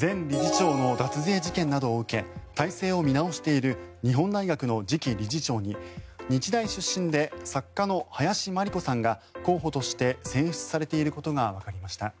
前理事長の脱税事件などを受けて体制を見直している日本大学の次期理事長に日大出身で作家の林真理子さんが候補として選出されていることがわかりました。